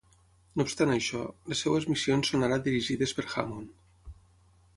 No obstant això, les seves missions són ara dirigides per Hammond.